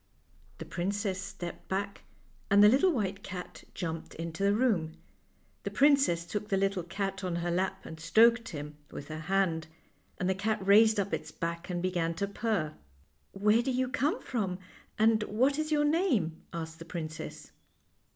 The princess stepped back, and the little white cat jumped into the room. The princess took the little cat on her lap and stroked him with her hand, and the cat raised up its back and began to purr. " Where do you come from, and what is your name? " asked the princess.